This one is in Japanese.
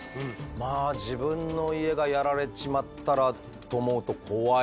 まあ自分の家がやられちまったらと思うと怖いですね。